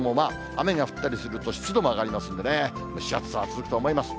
雨が降ったりすると、湿度も上がりますんでね、蒸し暑さは続くと思います。